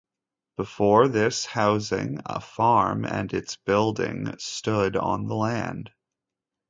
Before this housing, a farm and its buildings stood on the land.